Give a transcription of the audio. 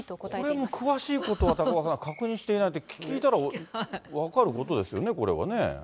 これも詳しいことは、高岡さん、確認していないと、聞いたら、これ、分かることですよね、これはね。